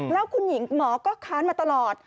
แล้วคุณหญิงหมอก็ค้านมาตลอด